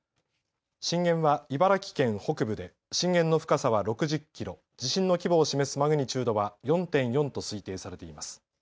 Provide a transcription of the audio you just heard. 震源は茨城県北部で震源の深さは６０キロ、地震の規模を示すマグニチュードは４．４と推定されています。